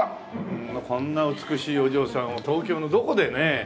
こんな美しいお嬢さんを東京のどこでねえ